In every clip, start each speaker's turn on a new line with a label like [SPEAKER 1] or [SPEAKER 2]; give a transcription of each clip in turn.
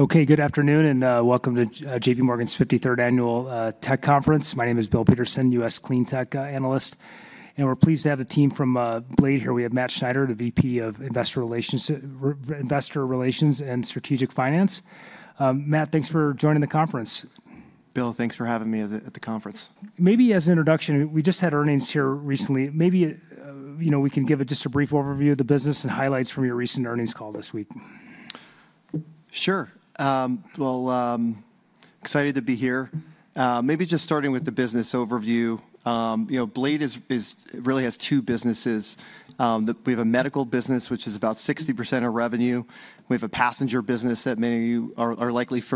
[SPEAKER 1] Okay, good afternoon and welcome to JPMorgan's 53rd Annual Tech Conference. My name is Bill Peterson, U.S. Clean Tech Analyst. We're pleased to have the team from Blade here. We have Matt Schneider, the VP of Investor Relations and Strategic Finance. Matt, thanks for joining the conference.
[SPEAKER 2] Bill, thanks for having me at the conference.
[SPEAKER 1] Maybe as an introduction, we just had earnings here recently. Maybe we can give just a brief overview of the business and highlights from your recent earnings call this week.
[SPEAKER 2] Sure. Excited to be here. Maybe just starting with the business overview. Blade really has two businesses. We have a medical business, which is about 60% of revenue. We have a passenger business that many of you are likely more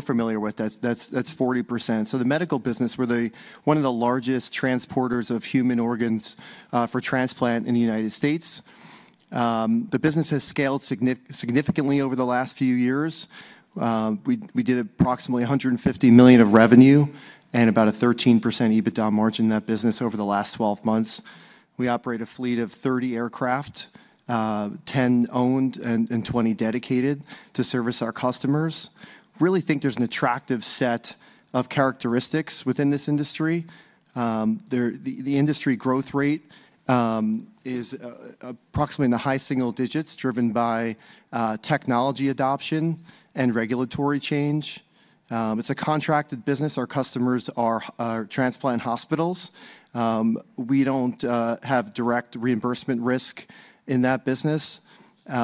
[SPEAKER 2] familiar with, that's 40%. The medical business, we're one of the largest transporters of human organs for transplant in the United States. The business has scaled significantly over the last few years. We did approximately $150 million of revenue and about a 13% EBITDA margin in that business over the last 12 months. We operate a fleet of 30 aircraft, 10 owned and 20 dedicated, to service our customers. I really think there's an attractive set of characteristics within this industry. The industry growth rate is approximately in the high single digits, driven by technology adoption and regulatory change. It's a contracted business. Our customers are transplant hospitals. We don't have direct reimbursement risk in that business. We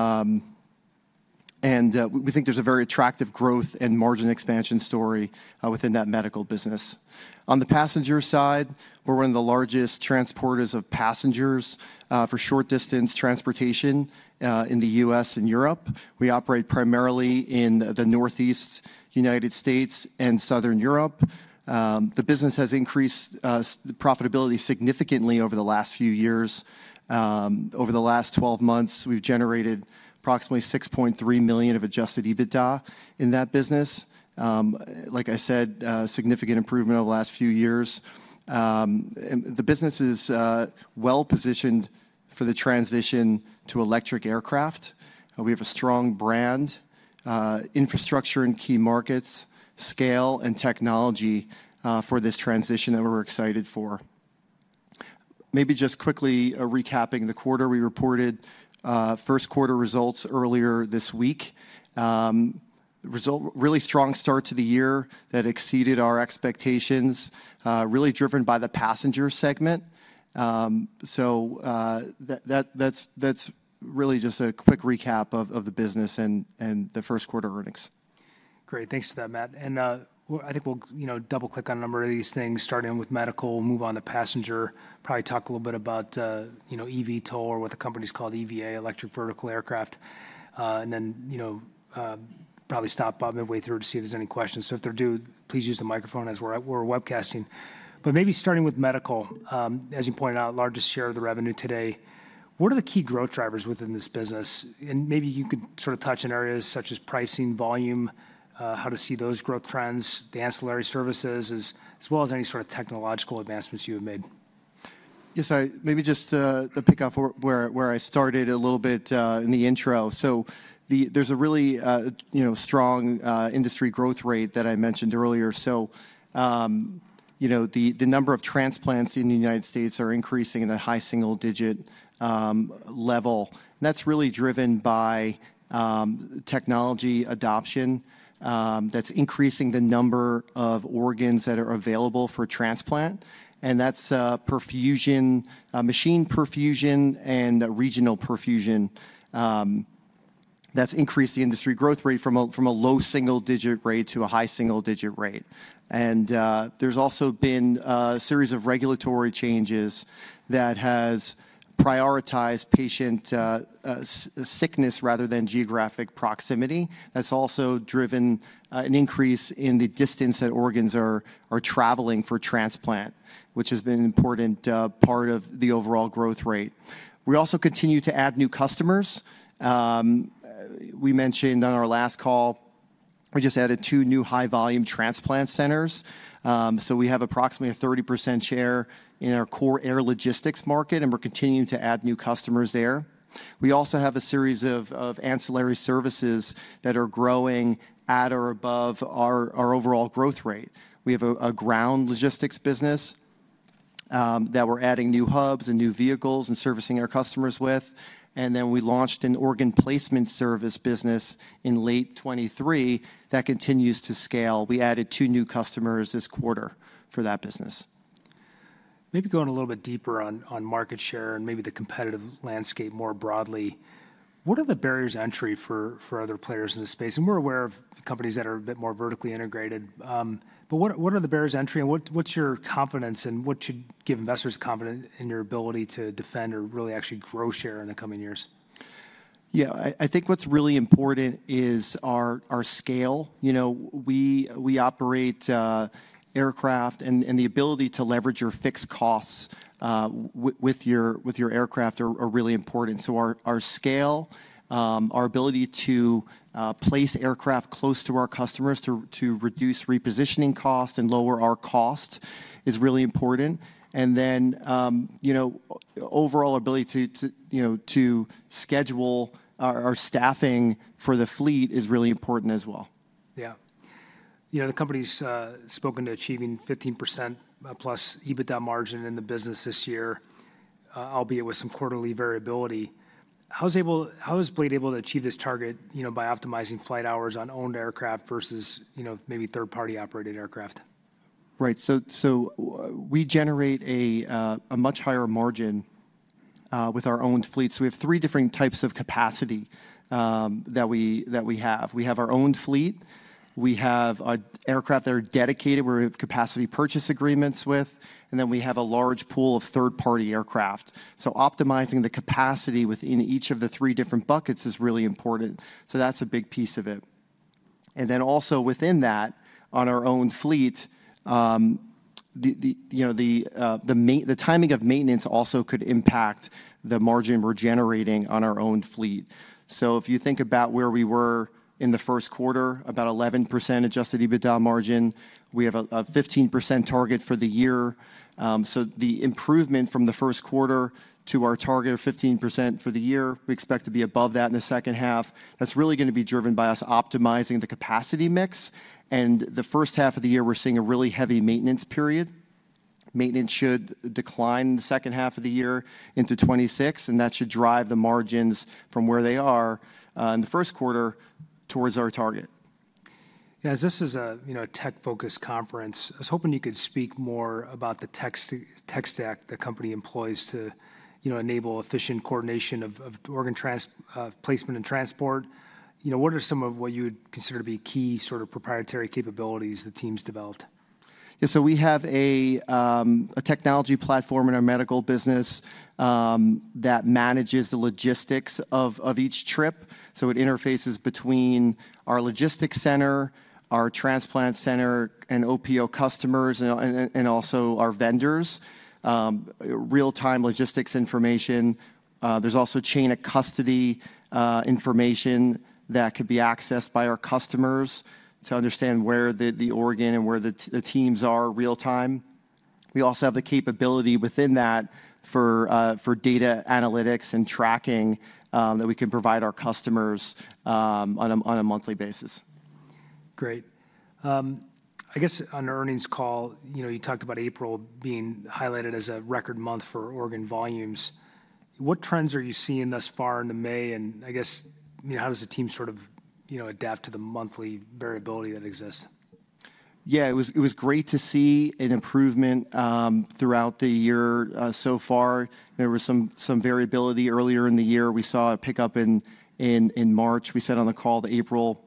[SPEAKER 2] think there's a very attractive growth and margin expansion story within that medical business. On the passenger side, we're one of the largest transporters of passengers for short-distance transportation in the U.S. and Europe. We operate primarily in the Northeast United States and Southern Europe. The business has increased profitability significantly over the last few years. Over the last 12 months, we've generated approximately $6.3 million of adjusted EBITDA in that business. Like I said, significant improvement over the last few years. The business is well-positioned for the transition to electric aircraft. We have a strong brand, infrastructure in key markets, scale, and technology for this transition that we're excited for. Maybe just quickly recapping the quarter, we reported first quarter results earlier this week. Really strong start to the year that exceeded our expectations, really driven by the passenger segment. That is really just a quick recap of the business and the first quarter earnings.
[SPEAKER 1] Great. Thanks for that, Matt. I think we'll double-click on a number of these things, starting with medical, move on to passenger, probably talk a little bit about eVTOL or what the company's called EVA, Electric Vertical Aircraft. Probably stop Bob midway through to see if there's any questions. If there are, please use the microphone as we're webcasting. Maybe starting with medical, as you pointed out, largest share of the revenue today. What are the key growth drivers within this business? Maybe you could sort of touch on areas such as pricing, volume, how to see those growth trends, the ancillary services, as well as any sort of technological advancements you have made.
[SPEAKER 2] Yes, maybe just to pick up where I started a little bit in the intro. There is a really strong industry growth rate that I mentioned earlier. The number of transplants in the United States are increasing at a high single-digit level. That is really driven by technology adoption that is increasing the number of organs that are available for transplant. That is machine perfusion and regional perfusion that has increased the industry growth rate from a low single-digit rate to a high single-digit rate. There has also been a series of regulatory changes that have prioritized patient sickness rather than geographic proximity. That has also driven an increase in the distance that organs are traveling for transplant, which has been an important part of the overall growth rate. We also continue to add new customers. We mentioned on our last call, we just added two new high-volume transplant centers. We have approximately a 30% share in our core air logistics market, and we're continuing to add new customers there. We also have a series of ancillary services that are growing at or above our overall growth rate. We have a ground logistics business that we're adding new hubs and new vehicles and servicing our customers with. We launched an organ placement service business in late 2023 that continues to scale. We added two new customers this quarter for that business.
[SPEAKER 1] Maybe going a little bit deeper on market share and maybe the competitive landscape more broadly, what are the barriers to entry for other players in this space? We're aware of companies that are a bit more vertically integrated. What are the barriers to entry, and what's your confidence, and what should give investors confidence in your ability to defend or really actually grow share in the coming years?
[SPEAKER 2] Yeah, I think what's really important is our scale. We operate aircraft, and the ability to leverage your fixed costs with your aircraft are really important. Our scale, our ability to place aircraft close to our customers to reduce repositioning costs and lower our cost is really important. The overall ability to schedule our staffing for the fleet is really important as well.
[SPEAKER 1] Yeah. The company's spoken to achieving 15%+ EBITDA margin in the business this year, albeit with some quarterly variability. How is Blade able to achieve this target by optimizing flight hours on owned aircraft versus maybe third-party operated aircraft?
[SPEAKER 2] Right. We generate a much higher margin with our owned fleet. We have three different types of capacity that we have. We have our owned fleet. We have aircraft that are dedicated where we have capacity purchase agreements with. We have a large pool of third-party aircraft. Optimizing the capacity within each of the three different buckets is really important. That is a big piece of it. Also within that, on our owned fleet, the timing of maintenance could impact the margin we are generating on our owned fleet. If you think about where we were in the first quarter, about 11% adjusted EBITDA margin, we have a 15% target for the year. The improvement from the 1st quarter to our target of 15% for the year, we expect to be above that in the second half. That's really going to be driven by us optimizing the capacity mix. In the first half of the year, we're seeing a really heavy maintenance period. Maintenance should decline in the second half of the year into '26, and that should drive the margins from where they are in the 1st quarter towards our target.
[SPEAKER 1] As this is a tech-focused conference, I was hoping you could speak more about the tech stack the company employs to enable efficient coordination of organ placement and transport. What are some of what you would consider to be key sort of proprietary capabilities the team's developed?
[SPEAKER 2] Yeah, we have a technology platform in our medical business that manages the logistics of each trip. It interfaces between our logistics center, our transplant center, and OPO customers, and also our vendors, real-time logistics information. There is also chain of custody information that could be accessed by our customers to understand where the organ and where the teams are real-time. We also have the capability within that for data analytics and tracking that we can provide our customers on a monthly basis.
[SPEAKER 1] Great. I guess on the earnings call, you talked about April being highlighted as a record month for organ volumes. What trends are you seeing thus far into May? I guess, how does the team sort of adapt to the monthly variability that exists?
[SPEAKER 2] Yeah, it was great to see an improvement throughout the year so far. There was some variability earlier in the year. We saw a pickup in March. We said on the call that April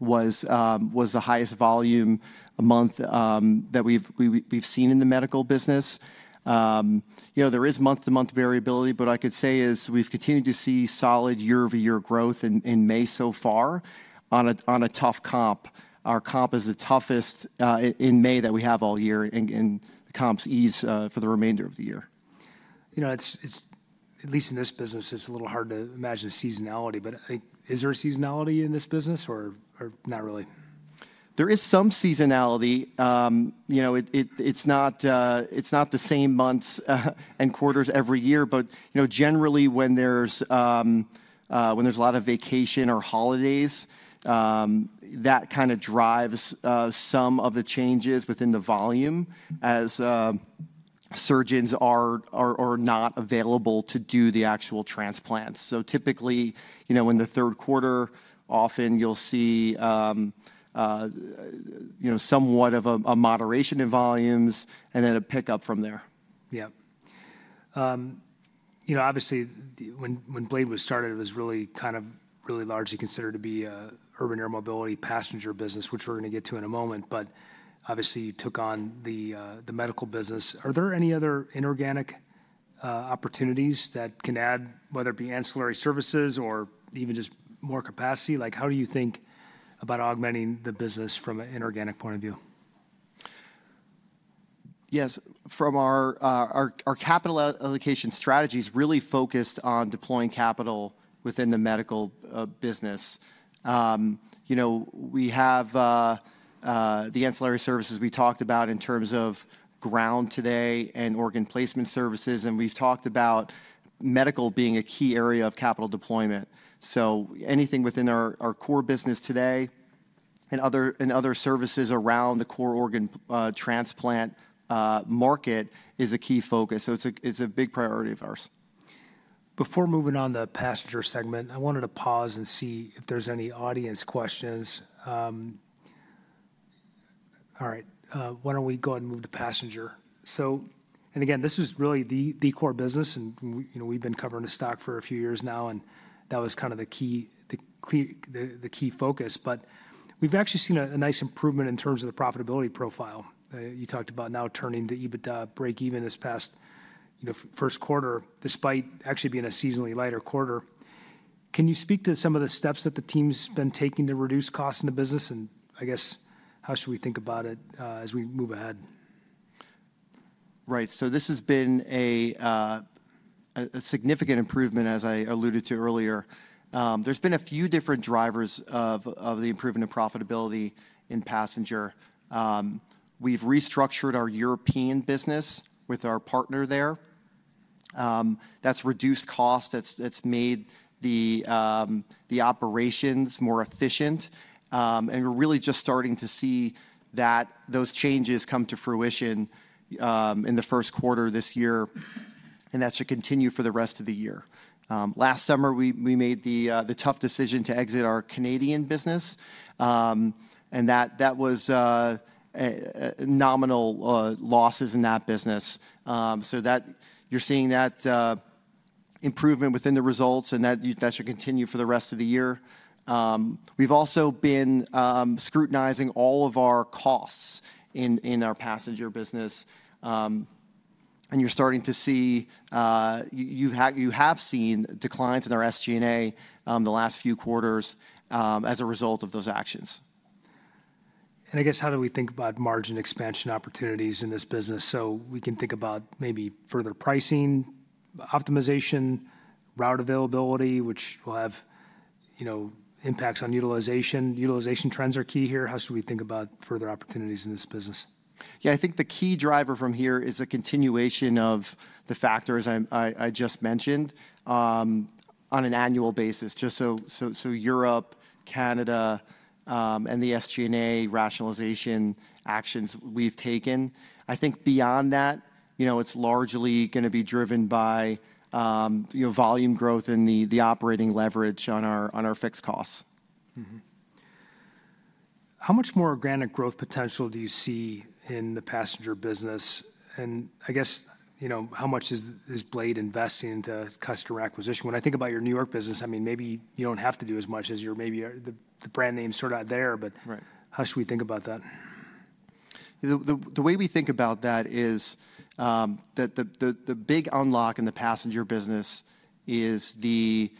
[SPEAKER 2] was the highest volume month that we've seen in the medical business. There is month-to-month variability, but what I could say is we've continued to see solid year-over-year growth in May so far on a tough comp. Our comp is the toughest in May that we have all year, and the comps ease for the remainder of the year.
[SPEAKER 1] At least in this business, it's a little hard to imagine a seasonality, but is there a seasonality in this business or not really?
[SPEAKER 2] There is some seasonality. It's not the same months and quarters every year, but generally when there's a lot of vacation or holidays, that kind of drives some of the changes within the volume as surgeons are not available to do the actual transplants. Typically in the third quarter, often you'll see somewhat of a moderation in volumes and then a pickup from there.
[SPEAKER 1] Yeah. Obviously, when Blade was started, it was really kind of really largely considered to be an urban air mobility passenger business, which we're going to get to in a moment. Obviously, you took on the medical business. Are there any other inorganic opportunities that can add, whether it be ancillary services or even just more capacity? How do you think about augmenting the business from an inorganic point of view?
[SPEAKER 2] Yes. From our capital allocation strategy, it's really focused on deploying capital within the medical business. We have the ancillary services we talked about in terms of ground today and organ placement services. We have talked about medical being a key area of capital deployment. Anything within our core business today and other services around the core organ transplant market is a key focus. It is a big priority of ours.
[SPEAKER 1] Before moving on to the passenger segment, I wanted to pause and see if there's any audience questions. All right. Why don't we go ahead and move to passenger? Again, this is really the core business, and we've been covering the stock for a few years now, and that was kind of the key focus. We've actually seen a nice improvement in terms of the profitability profile. You talked about now turning the EBITDA break-even this past 1st quarter, despite actually being a seasonally lighter quarter. Can you speak to some of the steps that the team's been taking to reduce costs in the business? I guess, how should we think about it as we move ahead?
[SPEAKER 2] Right. This has been a significant improvement, as I alluded to earlier. There have been a few different drivers of the improvement of profitability in passenger. We have restructured our European business with our partner there. That has reduced costs. That has made the operations more efficient. We are really just starting to see those changes come to fruition in the 1st quarter of this year, and that should continue for the rest of the year. Last summer, we made the tough decision to exit our Canadian business, and that was nominal losses in that business. You are seeing that improvement within the results, and that should continue for the rest of the year. We have also been scrutinizing all of our costs in our passenger business, and you are starting to see, you have seen, declines in our SG&A the last few quarters as a result of those actions.
[SPEAKER 1] I guess, how do we think about margin expansion opportunities in this business? We can think about maybe further pricing, optimization, route availability, which will have impacts on utilization. Utilization trends are key here. How should we think about further opportunities in this business?
[SPEAKER 2] Yeah, I think the key driver from here is a continuation of the factors I just mentioned on an annual basis. Just Europe, Canada, and the SG&A rationalization actions we've taken. I think beyond that, it's largely going to be driven by volume growth and the operating leverage on our fixed costs.
[SPEAKER 1] How much more organic growth potential do you see in the passenger business? I guess, how much is Blade investing into customer acquisition? When I think about your New York business, I mean, maybe you do not have to do as much as you are, maybe the brand name is sort of out there, but how should we think about that?
[SPEAKER 2] The way we think about that is that the big unlock in the passenger business is the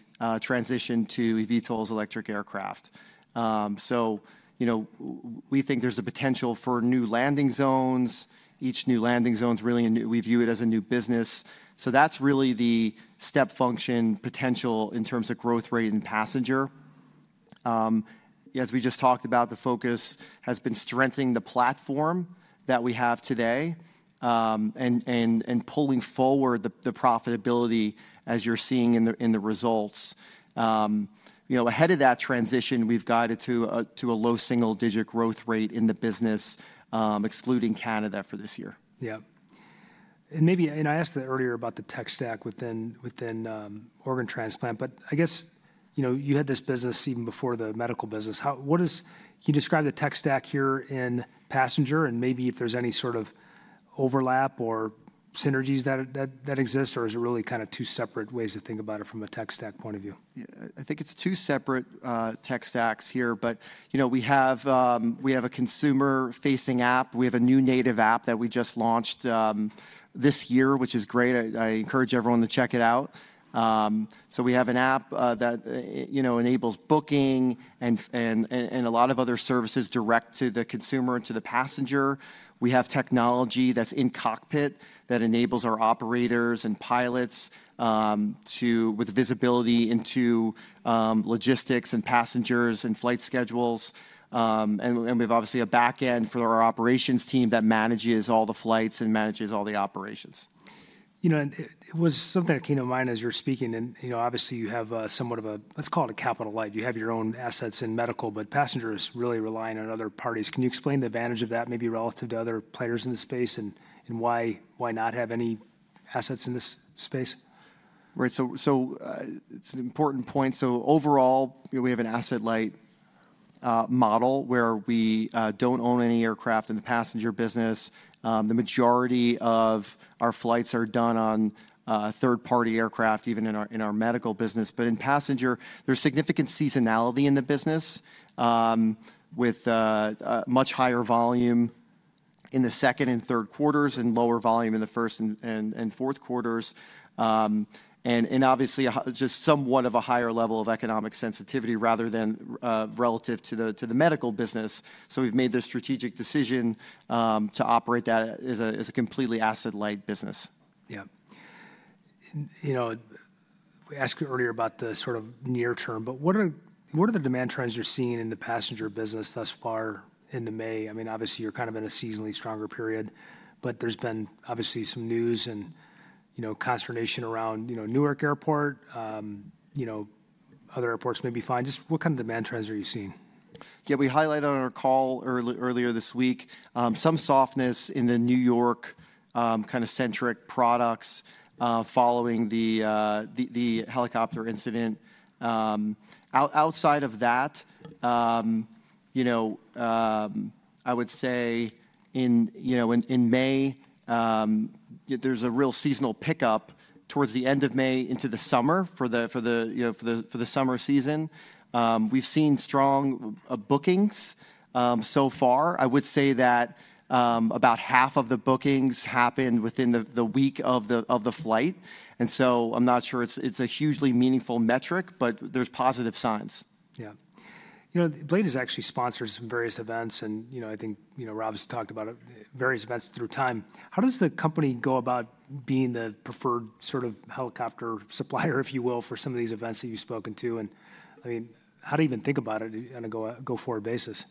[SPEAKER 2] transition to eVTOLs, electric aircraft. We think there is a potential for new landing zones. Each new landing zone is really a new, we view it as a new business. That is really the step function potential in terms of growth rate and passenger. As we just talked about, the focus has been strengthening the platform that we have today and pulling forward the profitability as you are seeing in the results. Ahead of that transition, we have guided to a low single-digit growth rate in the business, excluding Canada for this year.
[SPEAKER 1] Yeah. I asked that earlier about the tech stack within organ transplant, but I guess you had this business even before the medical business. Can you describe the tech stack here in passenger and maybe if there's any sort of overlap or synergies that exist, or is it really kind of two separate ways to think about it from a tech stack point of view?
[SPEAKER 2] I think it's two separate tech stacks here, but we have a consumer-facing app. We have a new native app that we just launched this year, which is great. I encourage everyone to check it out. We have an app that enables booking and a lot of other services direct to the consumer and to the passenger. We have technology that's in cockpit that enables our operators and pilots with visibility into logistics and passengers and flight schedules. We have obviously a backend for our operations team that manages all the flights and manages all the operations.
[SPEAKER 1] It was something that came to mind as you were speaking, and obviously you have somewhat of a, let's call it, a capital light. You have your own assets in medical, but passengers really rely on other parties. Can you explain the advantage of that maybe relative to other players in the space and why not have any assets in this space?
[SPEAKER 2] Right. So it's an important point. Overall, we have an asset light model where we don't own any aircraft in the passenger business. The majority of our flights are done on third-party aircraft, even in our medical business. In passenger, there's significant seasonality in the business with much higher volume in the 2nd and 3rd quarters and lower volume in the 1st and 4th quarters. Obviously, just somewhat of a higher level of economic sensitivity relative to the medical business. We've made the strategic decision to operate that as a completely asset light business.
[SPEAKER 1] Yeah. We asked you earlier about the sort of near term, but what are the demand trends you're seeing in the passenger business thus far in May? I mean, obviously, you're kind of in a seasonally stronger period, but there's been obviously some news and consternation around New York Airport. Other airports may be fine. Just what kind of demand trends are you seeing?
[SPEAKER 2] Yeah, we highlighted on our call earlier this week some softness in the New York kind of centric products following the helicopter incident. Outside of that, I would say in May, there's a real seasonal pickup towards the end of May into the summer for the summer season. We've seen strong bookings so far. I would say that about half of the bookings happened within the week of the flight. I'm not sure it's a hugely meaningful metric, but there's positive signs.
[SPEAKER 1] Yeah. Blade has actually sponsored some various events, and I think Rob has talked about various events through time. How does the company go about being the preferred sort of helicopter supplier, if you will, for some of these events that you've spoken to? I mean, how do you even think about it on a go-forward basis?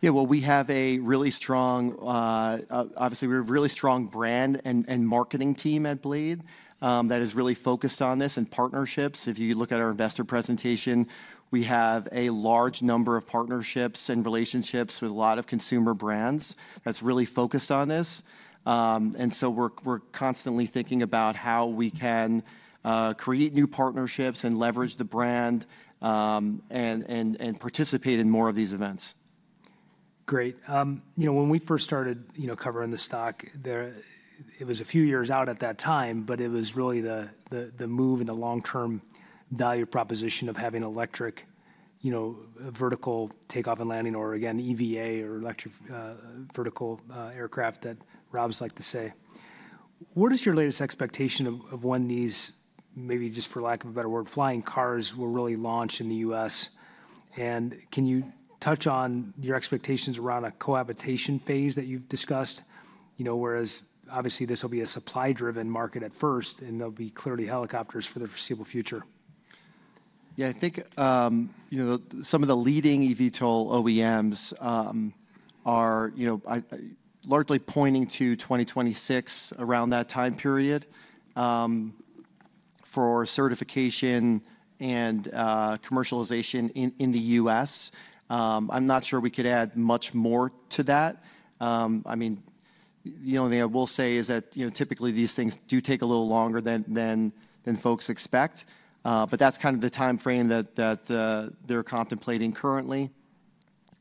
[SPEAKER 2] Yeah, we have a really strong, obviously, we have a really strong brand and marketing team at Blade that is really focused on this and partnerships. If you look at our investor presentation, we have a large number of partnerships and relationships with a lot of consumer brands that's really focused on this. We're constantly thinking about how we can create new partnerships and leverage the brand and participate in more of these events.
[SPEAKER 1] Great. When we first started covering the stock, it was a few years out at that time, but it was really the move and the long-term value proposition of having electric vertical takeoff and landing, or again, EVA or electric vertical aircraft that Rob's like to say. What is your latest expectation of when these, maybe just for lack of a better word, flying cars will really launch in the U.S.? And can you touch on your expectations around a cohabitation phase that you've discussed, whereas obviously this will be a supply-driven market at first, and there'll be clearly helicopters for the foreseeable future?
[SPEAKER 2] Yeah, I think some of the leading eVTOL OEMs are largely pointing to 2026, around that time period for certification and commercialization in the U.S. I'm not sure we could add much more to that. I mean, the only thing I will say is that typically these things do take a little longer than folks expect, but that's kind of the time frame that they're contemplating currently.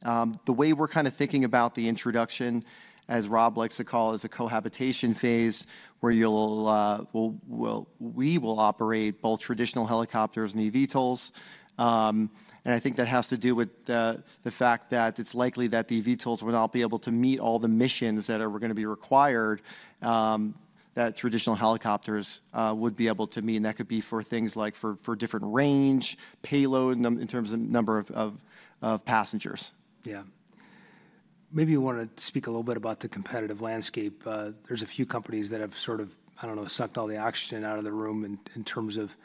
[SPEAKER 2] The way we're kind of thinking about the introduction, as Rob likes to call it, is a cohabitation phase where we will operate both traditional helicopters and eVTOLs. I think that has to do with the fact that it's likely that the eVTOLs will not be able to meet all the missions that are going to be required that traditional helicopters would be able to meet. That could be for things like for different range, payload in terms of number of passengers.
[SPEAKER 1] Yeah. Maybe you want to speak a little bit about the competitive landscape. There are a few companies that have sort of, I do not know, sucked all the oxygen out of the room in terms of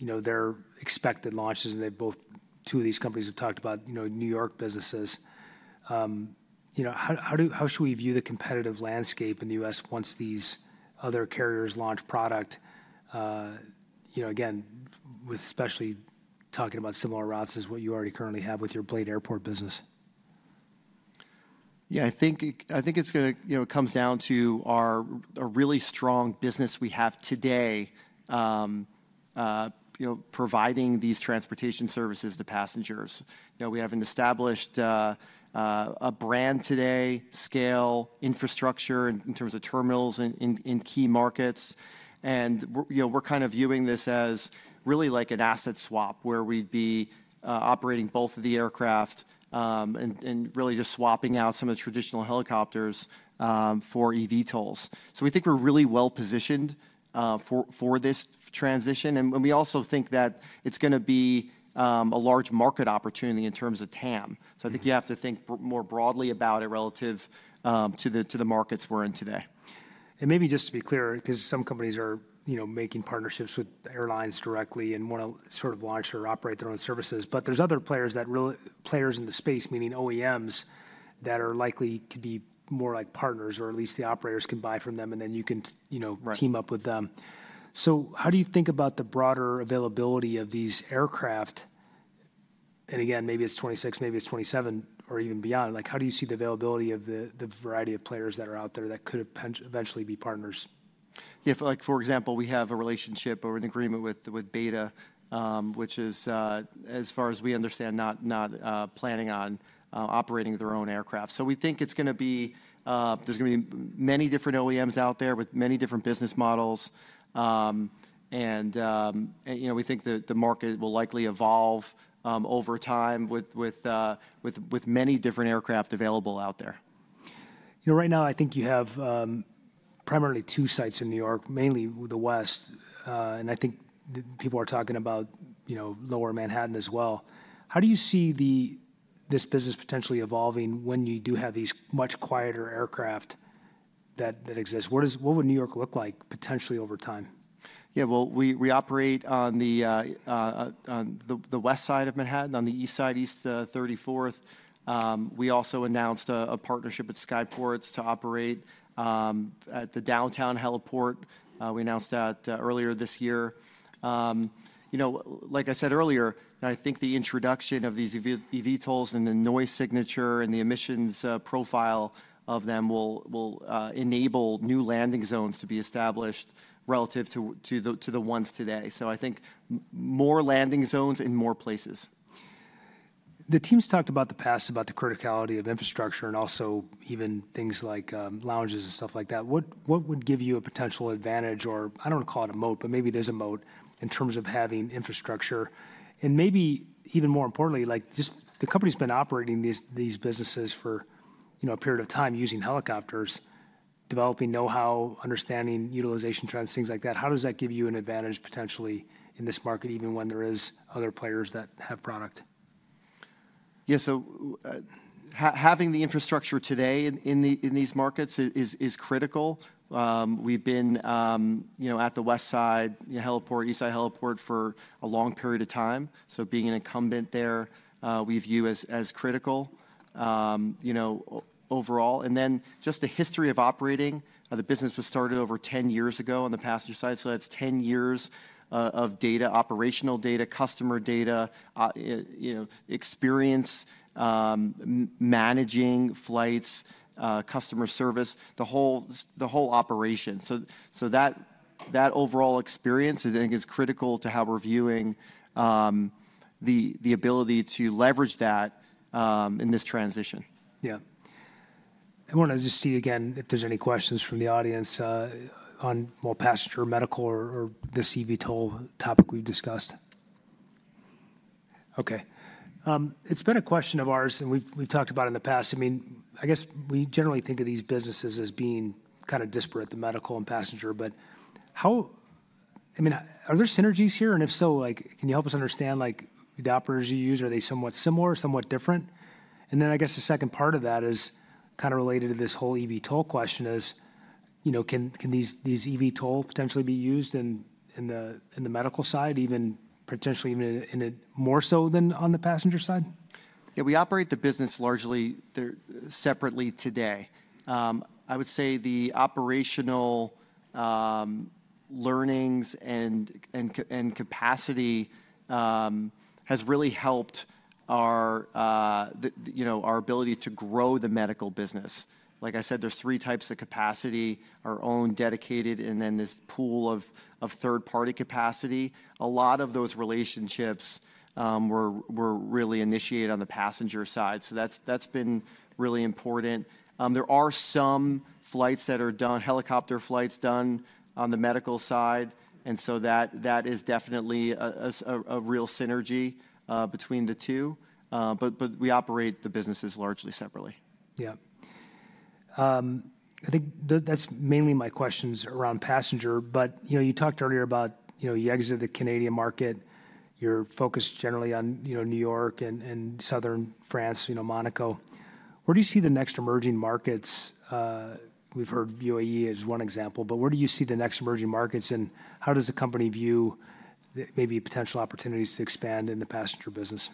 [SPEAKER 1] their expected launches. Two of these companies have talked about New York businesses. How should we view the competitive landscape in the U.S. once these other carriers launch product? Again, especially talking about similar routes as what you already currently have with your Blade Airport business.
[SPEAKER 2] Yeah, I think it comes down to our really strong business we have today providing these transportation services to passengers. We have an established brand today, scale, infrastructure in terms of terminals in key markets. We're kind of viewing this as really like an asset swap where we'd be operating both of the aircraft and really just swapping out some of the traditional helicopters for eVTOLs. We think we're really well positioned for this transition. We also think that it's going to be a large market opportunity in terms of TAM. I think you have to think more broadly about it relative to the markets we're in today.
[SPEAKER 1] Maybe just to be clear, because some companies are making partnerships with airlines directly and want to sort of launch or operate their own services, but there's other players in the space, meaning OEMs that are likely to be more like partners, or at least the operators can buy from them, and then you can team up with them. How do you think about the broader availability of these aircraft? Again, maybe it's '26, maybe it's '27, or even beyond. How do you see the availability of the variety of players that are out there that could eventually be partners?
[SPEAKER 2] Yeah, for example, we have a relationship or an agreement with Beta, which is, as far as we understand, not planning on operating their own aircraft. We think it's going to be there's going to be many different OEMs out there with many different business models. We think the market will likely evolve over time with many different aircraft available out there.
[SPEAKER 1] Right now, I think you have primarily two sites in New York, mainly the West. I think people are talking about lower Manhattan as well. How do you see this business potentially evolving when you do have these much quieter aircraft that exist? What would New York look like potentially over time?
[SPEAKER 2] Yeah, we operate on the West Side of Manhattan, on the East Side, East 34th. We also announced a partnership with SkyPorts to operate at the downtown heliport. We announced that earlier this year. Like I said earlier, I think the introduction of these eVTOLs and the noise signature and the emissions profile of them will enable new landing zones to be established relative to the ones today. I think more landing zones in more places.
[SPEAKER 1] The teams talked in the past about the criticality of infrastructure and also even things like lounges and stuff like that. What would give you a potential advantage, or I do not want to call it a moat, but maybe there is a moat in terms of having infrastructure. And maybe even more importantly, just the company has been operating these businesses for a period of time using helicopters, developing know-how, understanding utilization trends, things like that. How does that give you an advantage potentially in this market, even when there are other players that have product?
[SPEAKER 2] Yeah, so having the infrastructure today in these markets is critical. We've been at the West Side, heliport for a long period of time. Being an incumbent there, we view as critical overall. Just the history of operating. The business was started over 10 years ago on the passenger side. That's 10 years of data, operational data, customer data, experience, managing flights, customer service, the whole operation. That overall experience, I think, is critical to how we're viewing the ability to leverage that in this transition.
[SPEAKER 1] Yeah. I want to just see again if there's any questions from the audience on more passenger, medical, or this eVTOL topic we've discussed. Okay. It's been a question of ours, and we've talked about it in the past. I mean, I guess we generally think of these businesses as being kind of disparate, the medical and passenger, but I mean, are there synergies here? If so, can you help us understand the operators you use? Are they somewhat similar, somewhat different? I guess the second part of that is kind of related to this whole eVTOL question. Can these eVTOL potentially be used in the medical side, even potentially even more so than on the passenger side?
[SPEAKER 2] Yeah, we operate the business largely separately today. I would say the operational learnings and capacity has really helped our ability to grow the medical business. Like I said, there are three types of capacity: our own dedicated, and then this pool of third-party capacity. A lot of those relationships were really initiated on the passenger side. That has been really important. There are some flights that are done, helicopter flights done on the medical side. That is definitely a real synergy between the two. We operate the businesses largely separately.
[SPEAKER 1] Yeah. I think that's mainly my questions around passenger, but you talked earlier about you exited the Canadian market. You're focused generally on New York and southern France, Monaco. Where do you see the next emerging markets? We've heard UAE as one example, but where do you see the next emerging markets? And how does the company view maybe potential opportunities to expand in the passenger business?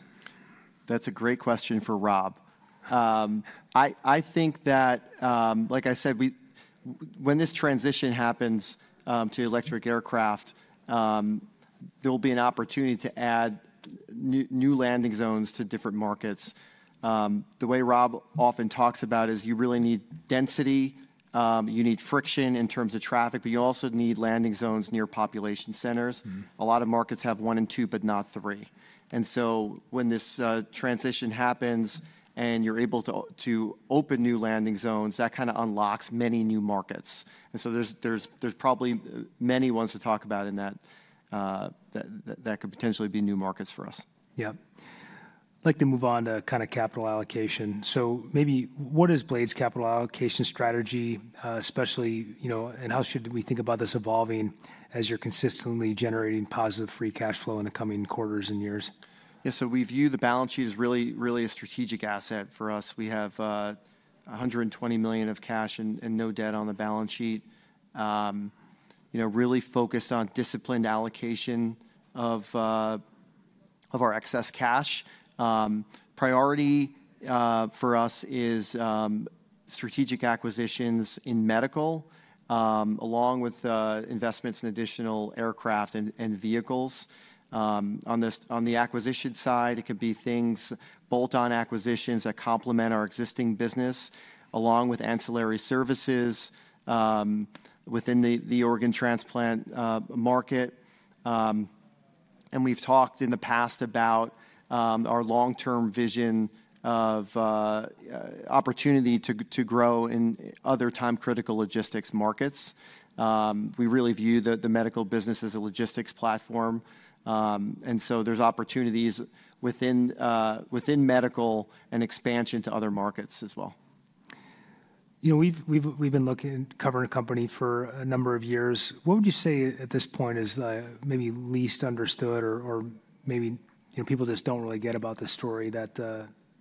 [SPEAKER 2] That's a great question for Rob. I think that, like I said, when this transition happens to electric aircraft, there will be an opportunity to add new landing zones to different markets. The way Rob often talks about it is you really need density, you need friction in terms of traffic, but you also need landing zones near population centers. A lot of markets have one and two, but not three. When this transition happens and you're able to open new landing zones, that kind of unlocks many new markets. There are probably many ones to talk about in that that could potentially be new markets for us.
[SPEAKER 1] Yeah. I'd like to move on to kind of capital allocation. Maybe what is Blade's capital allocation strategy, especially, and how should we think about this evolving as you're consistently generating positive free cash flow in the coming quarters and years?
[SPEAKER 2] Yeah, so we view the balance sheet as really a strategic asset for us. We have $120 million of cash and no debt on the balance sheet, really focused on disciplined allocation of our excess cash. Priority for us is strategic acquisitions in medical, along with investments in additional aircraft and vehicles. On the acquisition side, it could be things, bolt-on acquisitions that complement our existing business, along with ancillary services within the organ transplant market. We have talked in the past about our long-term vision of opportunity to grow in other time-critical logistics markets. We really view the medical business as a logistics platform. There are opportunities within medical and expansion to other markets as well.
[SPEAKER 1] We've been covering the company for a number of years. What would you say at this point is maybe least understood or maybe people just don't really get about the story that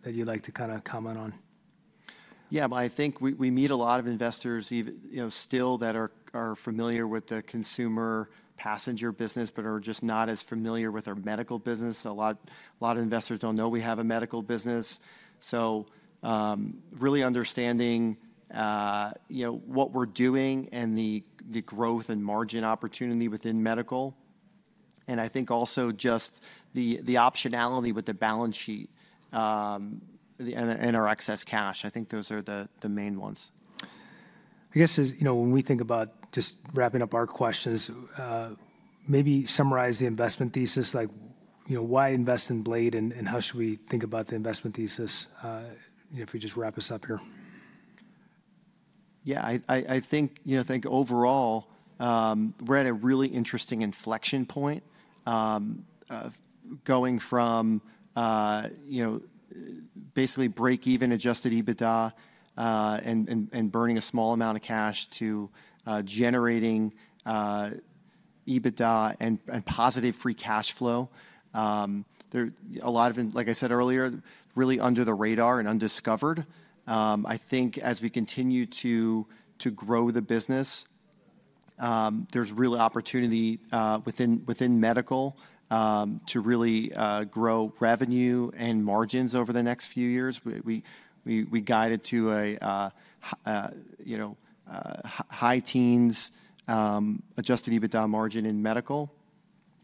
[SPEAKER 1] you'd like to kind of comment on?
[SPEAKER 2] Yeah, I think we meet a lot of investors still that are familiar with the consumer passenger business, but are just not as familiar with our medical business. A lot of investors don't know we have a medical business. Really understanding what we're doing and the growth and margin opportunity within medical. I think also just the optionality with the balance sheet and our excess cash. I think those are the main ones.
[SPEAKER 1] I guess when we think about just wrapping up our questions, maybe summarize the investment thesis, like why invest in Blade and how should we think about the investment thesis if we just wrap us up here?
[SPEAKER 2] Yeah, I think overall, we're at a really interesting inflection point going from basically break-even adjusted EBITDA and burning a small amount of cash to generating EBITDA and positive free cash flow. A lot of, like I said earlier, really under the radar and undiscovered. I think as we continue to grow the business, there's really opportunity within medical to really grow revenue and margins over the next few years. We guided to a high teens adjusted EBITDA margin in medical.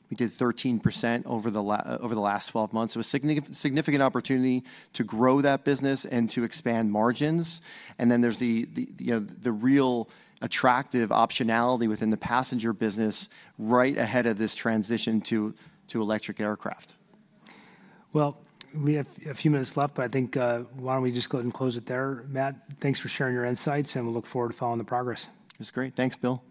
[SPEAKER 2] We did 13% over the last 12 months. It was a significant opportunity to grow that business and to expand margins. There is the real attractive optionality within the passenger business right ahead of this transition to electric aircraft.
[SPEAKER 1] We have a few minutes left, but I think why don't we just go ahead and close it there, Matt? Thanks for sharing your insights, and we'll look forward to following the progress.
[SPEAKER 2] That's great. Thanks, Bill.
[SPEAKER 1] Yeah.